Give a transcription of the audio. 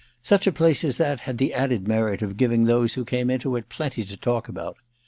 Such a place as that had the added merit of giving those who came into it plenty to talk about.